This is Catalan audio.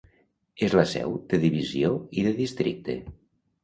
És la seu de divisió i de districte.